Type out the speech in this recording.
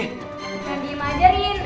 eh diam aja rin